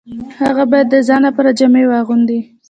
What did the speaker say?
هغه باید د ځان لپاره جامې واغوندي